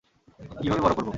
কিভাবে বড় করবো?